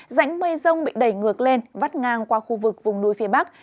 rãnh mây rông bị đẩy ngược lên vắt ngang qua khu vực vùng núi phía bắc